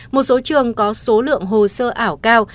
một số trường có số lượng hồ sơ ảo cao